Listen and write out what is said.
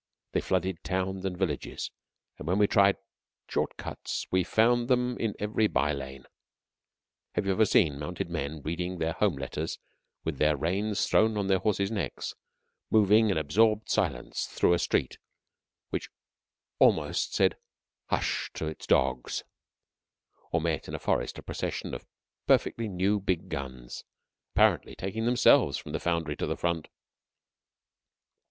They flooded towns and villages, and when we tried short cuts we found them in every by lane. Have you seen mounted men reading their home letters with the reins thrown on the horses' necks, moving in absorbed silence through a street which almost said "Hush!" to its dogs; or met, in a forest, a procession of perfectly new big guns, apparently taking themselves from the foundry to the front?